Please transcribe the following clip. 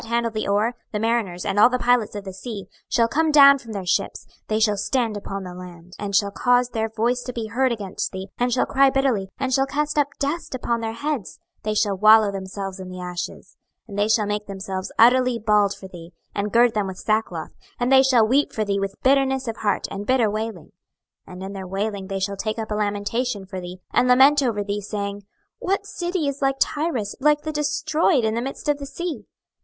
26:027:029 And all that handle the oar, the mariners, and all the pilots of the sea, shall come down from their ships, they shall stand upon the land; 26:027:030 And shall cause their voice to be heard against thee, and shall cry bitterly, and shall cast up dust upon their heads, they shall wallow themselves in the ashes: 26:027:031 And they shall make themselves utterly bald for thee, and gird them with sackcloth, and they shall weep for thee with bitterness of heart and bitter wailing. 26:027:032 And in their wailing they shall take up a lamentation for thee, and lament over thee, saying, What city is like Tyrus, like the destroyed in the midst of the sea?